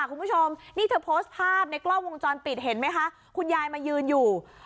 คุณผู้ชมนี่เธอโพสต์ภาพในกล้องวงจรปิดเห็นไหมคะคุณยายมายืนอยู่